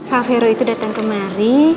pak vero itu datang kemari